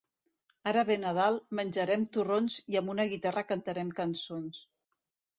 Ara ve Nadal, menjarem torrons i amb una guitarra cantarem cançons.